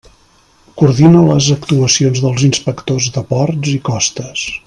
Coordina les actuacions dels inspectors de ports i costes.